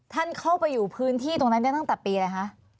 ท่านเข้าไปอยู่พื้นที่ตรงนั้นได้ตั้งแต่ปีอะไรคะ